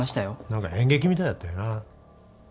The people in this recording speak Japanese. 何か演劇みたいだったよな。